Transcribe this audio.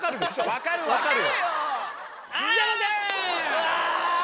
うわ！